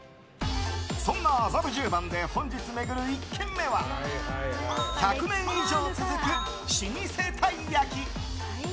そんな麻布十番で本日巡る１軒目は１００年以上続く老舗たい焼き。